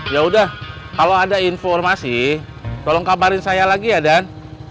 ya udah kalau ada informasi tolong kabarin saya lagi ya dan